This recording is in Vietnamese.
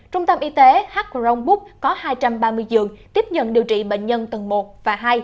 trung tâm y tế hcronbook có hai trăm ba mươi giường tiếp nhận điều trị bệnh nhân tầng một và hai